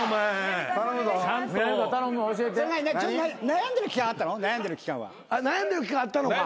悩んでる期間あったのか。